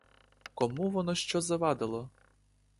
Кому воно що завадило?!